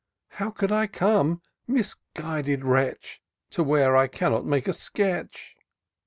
How could I come, misguided wretch ! To where I cannot make a sketch